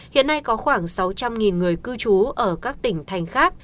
hiện nay có khoảng sáu trăm linh người cư trú ở các tỉnh thành khác